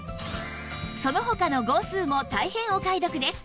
その他の号数も大変お買い得です